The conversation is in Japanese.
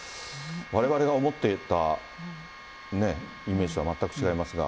われわれが思ってたね、イメージとは全く違いますが。